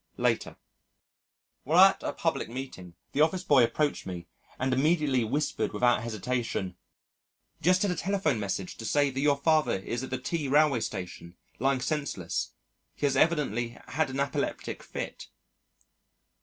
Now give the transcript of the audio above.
Later: While at a public meeting, the office boy approached me and immediately whispered without hesitation, "Just had a telephone message to say that your father is at the T Railway Station, lying senseless. He has evidently had an apoplectic fit."